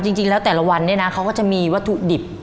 จริงแล้วแต่ละวันเนี่ยนะเขาก็จะมีวัตถุดิบ